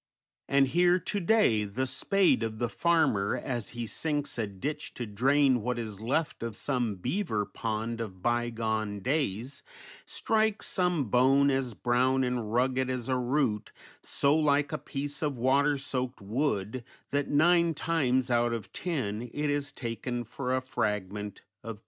And here to day the spade of the farmer as he sinks a ditch to drain what is left of some beaver pond of bygone days, strikes some bone as brown and rugged as a root, so like a piece of water soaked wood that nine times out of ten it is taken for a fragment of tree trunk.